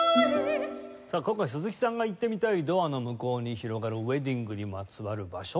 さあ今回鈴木さんが行ってみたいドアの向こうに広がるウェディングにまつわる場所